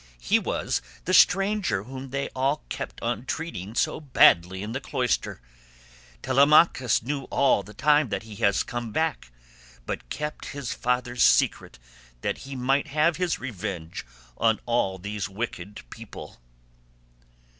He was the stranger whom they all kept on treating so badly in the cloister. Telemachus knew all the time that he was come back, but kept his father's secret that he might have his revenge on all these wicked people."